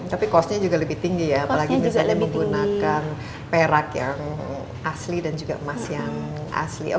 tapi costnya juga lebih tinggi ya apalagi misalnya menggunakan perak yang asli dan juga emas yang asli